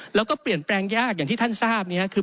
แล้วก็เปลี่ยนแปลงยากอย่างที่ท่านทราบคือ